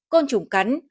côn trùng cắn